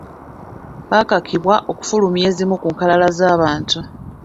Bakakibwa okufulumya ezimu ku nkalala z’abantu.